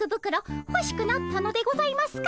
ほしくなったのでございますか？